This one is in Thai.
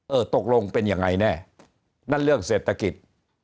ตกลงเป็นยังไงแน่นั่นเรื่องเศรษฐกิจ